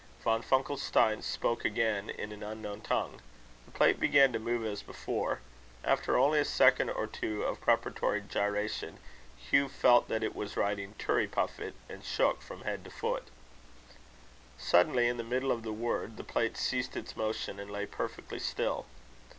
Von Funkelstein spoke again in an unknown tongue. The plate began to move as before. After only a second or two of preparatory gyration, Hugh felt that it was writing Turriepuffit, and shook from head to foot. Suddenly, in the middle of the word, the plate ceased its motion, and lay perfectly still.